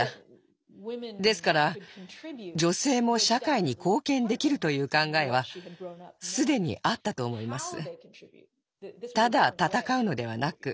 ですから女性も社会に貢献できるという考えは既にあったと思います。